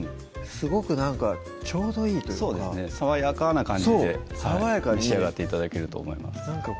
すごくなんかちょうどいいというか爽やかな感じでそう爽やかに召し上がって頂けると思います